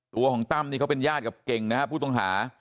ตัวของตั้มนี่เขาเป็นญาติกับเก่งนะฮะผู้ต้องหา